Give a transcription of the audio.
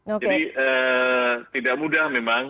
jadi tidak mudah memang